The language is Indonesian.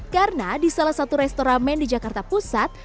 karena di salah satu restor ramen di jakarta pusat